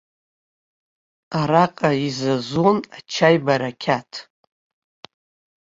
Араҟа изазон ачаи барақьаҭ.